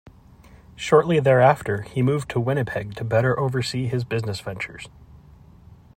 Shortly thereafter, he moved to Winnipeg to better oversee his business ventures.